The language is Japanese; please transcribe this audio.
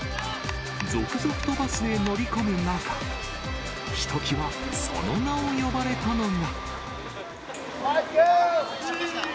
続々とバスへ乗り込む中、ひときわ、その名を呼ばれたのが。